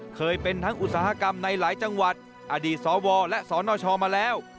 เคยเป็นทั้งอุตสาหกรรมในหลายจังหวัดอดีตสวและสนชมาแล้ว